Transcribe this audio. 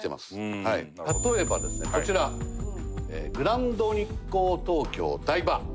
例えばですねこちらグランドニッコー東京台場。